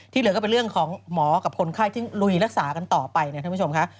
เหลือก็เป็นเรื่องของหมอกับคนไข้ที่ลุยรักษากันต่อไปเนี่ยท่านผู้ชมค่ะ